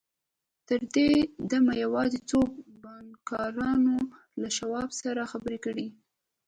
تر دې دمه یوازې څو بانکدارانو له شواب سره خبرې کړې وې